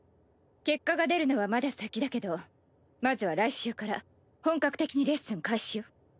結果が出るのはまだ先だけどまずは来週から本格的にレッスン開始よ。